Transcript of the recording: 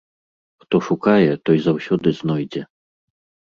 Хто шукае, той заўсёды знойдзе.